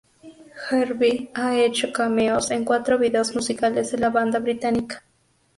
Harvey ha hecho cameos en cuatro vídeos musicales de la banda británica.